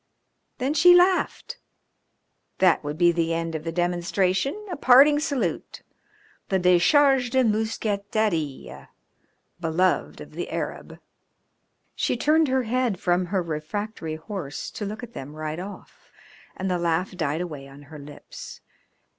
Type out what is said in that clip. Then she laughed. That would be the end of the demonstration, a parting salute, the decharge de mousqueterie beloved of the Arab. She turned her head from her refractory horse to look at them ride off, and the laugh died away on her lips.